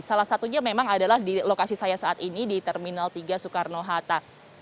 salah satunya memang adalah di lokasi saya saat ini di terminal tiga soekarno hatta